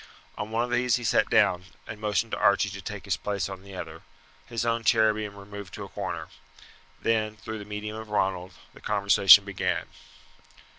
On one of these he sat down, and motioned to Archie to take his place on the other his own chair being removed to a corner. Then, through the medium of Ronald, the conversation began.